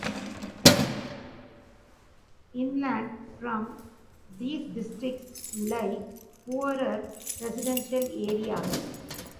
Inland from these districts lie poorer residential areas.